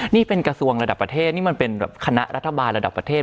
นี่เป็นกระทรวงระดับประเทศนี่มันเป็นแบบคณะรัฐบาลระดับประเทศ